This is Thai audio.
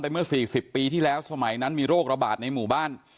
เมื่อ๔๐ปีที่แล้วสมัยนั้นมีโรคระบาดในหมู่บ้าน